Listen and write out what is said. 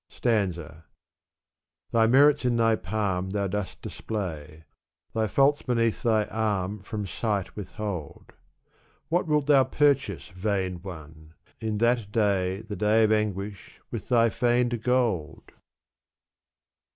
Stanza. Thy merits in thy palm thou dost display ; Thy faults beneath thy arm from sight withhold. What wilt thou purchase, vain one ! in that day, The day of anguish, with thy feigned gold?